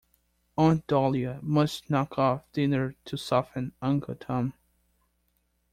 Aunt Dahlia must knock off dinner to soften Uncle Tom.